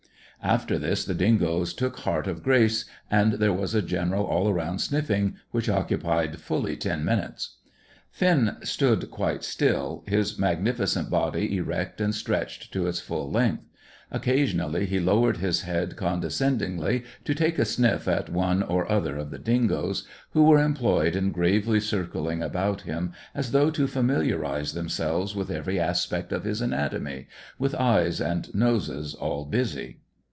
After this the dingoes took heart of grace, and there was a general all round sniffing which occupied fully ten minutes. Finn stood quite still, his magnificent body erect and stretched to its full length. Occasionally he lowered his head condescendingly to take a sniff at one or other of the dingoes, who were employed in gravely circling about him, as though to familiarize themselves with every aspect of his anatomy, with eyes and noses all busy.